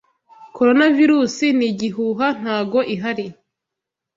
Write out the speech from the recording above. Coronavirusi ni igihuha ntago ihari.